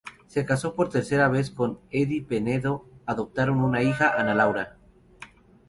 Se casó por tercera vez con Eddie Penedo, adoptaron una hija, Ana Laura.